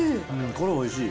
これ、おいしい。